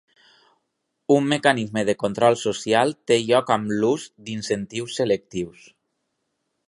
Un mecanisme de control social té lloc amb l'ús d'incentius selectius.